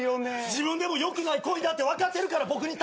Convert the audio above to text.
自分でもよくない恋だって分かってるから僕に助けを。